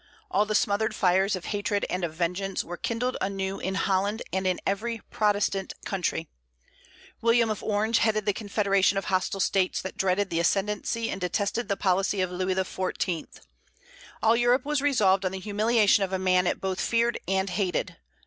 All the smothered fires of hatred and of vengeance were kindled anew in Holland and in every Protestant country. William of Orange headed the confederation of hostile states that dreaded the ascendency and detested the policy of Louis XIV. All Europe was resolved on the humiliation of a man it both feared and hated.